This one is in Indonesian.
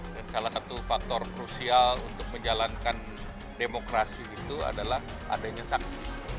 dan salah satu faktor krusial untuk menjalankan demokrasi itu adalah adanya saksi